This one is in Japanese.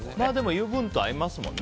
油分と合いますもんね。